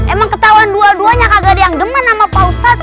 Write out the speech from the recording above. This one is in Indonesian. emang ketahuan dua duanya kagak ada yang deman sama pak ustadz